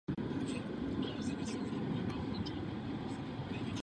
Disponuje demokracie mechanismy, pomocí nichž se může postavit takovýmto útokům?